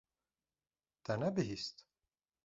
Te nebihîst?